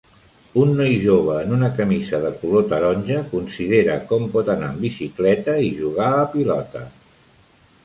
Un noi jove en una camisa de color taronja considera com pot anar en bicicleta i jugar a pilota